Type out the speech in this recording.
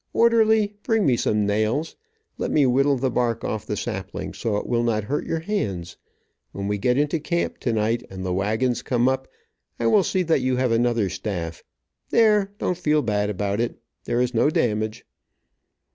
Orderly, bring me some nails. Let me whittle the bark off the sapling, so it will not hurt your hands. When we get into camp tonight, and the wagons come up, I will see that you have another staff. There, don't feel bad about it. There is no damage."